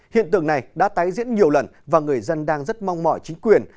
hiện tượng này đã tái diễn nhiều lần và người dân đang rất mong mỏi chính quyền